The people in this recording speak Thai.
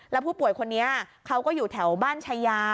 แล้วผู้ป่วยคนนี้เขาก็อยู่แถวบ้านชายา